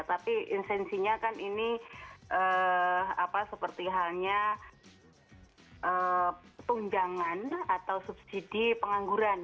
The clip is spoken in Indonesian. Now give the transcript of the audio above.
tapi insensinya kan ini seperti halnya tunjangan atau subsidi pengangguran